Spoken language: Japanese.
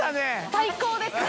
最高ですね。